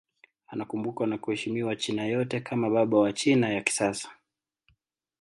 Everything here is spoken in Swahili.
Anakumbukwa na kuheshimiwa China yote kama baba wa China ya kisasa.